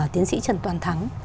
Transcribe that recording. tiến sĩ trần toàn thắng